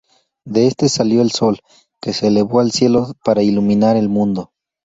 De este salió el sol, que se elevó al cielo para iluminar el mundo.